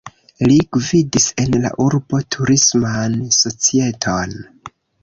Li gvidis en la urbo turisman societon.